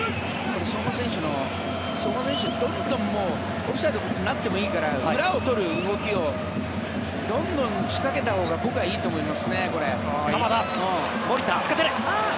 相馬選手、どんどんオフサイドになってもいいから裏を取る動きをどんどん仕掛けたほうが僕はいいと思いますね、これ。